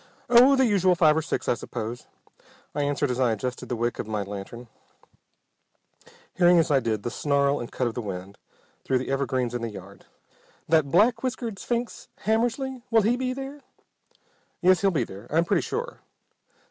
"Oh, the usual five or six I suppose," I answered as I adjusted the wick of my lantern, hearing as I did the snarl and cut of the wind through the evergreens in the yard. "That black whiskered sphinx, Hammersly, will he be there?" "Yes, he'll be there, I'm pretty sure."